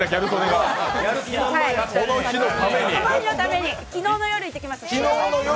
はい、この日のために昨日の夜、行ってきました。